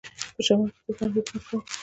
په شمال کې ترکانو حکومت کاوه.